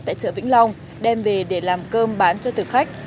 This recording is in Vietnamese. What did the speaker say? tại chợ vĩnh long đem về để làm cơm bán cho thực khách